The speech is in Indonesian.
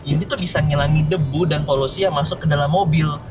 ini tuh bisa ngilangi debu dan polusi yang masuk ke dalam mobil